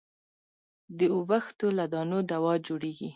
د اوبښتو له دانو دوا جوړېږي.